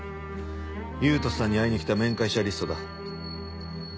優人さんに会いに来た面会者リストだ。